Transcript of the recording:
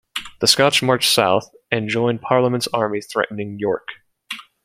The Scots marched South and joined Parliament's army threatening York.